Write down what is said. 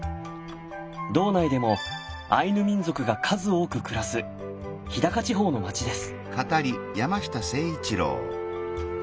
道内でもアイヌ民族が数多く暮らす日高地方の町です。